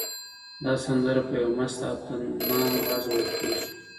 دا سندره په یو مست او طنان غږ ویل کېږي.